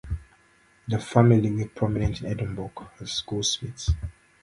The family were prominent in Edinburgh as goldsmiths.